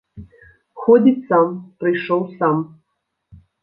Ходзіць сам, прыйшоў сам.